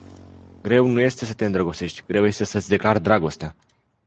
Greu nu este să te îndrăgostești, greu este să-ți declari dragostea.